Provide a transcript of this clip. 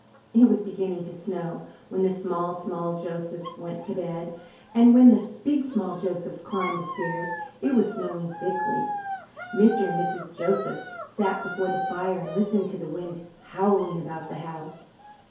It was beginning to snow when the small small Josephs went to bed, and when the big small Josephs climbed the stairs it was snowing thickly. Mr. and Mrs. Joseph sat before the fire and listened to the wind howling about the house.